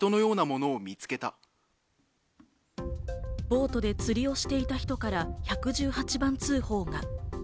ボートで釣りをしていた人から１１８番通報が。